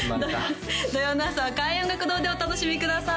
土曜の朝は開運音楽堂でお楽しみください